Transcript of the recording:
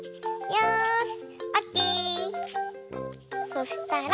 よし！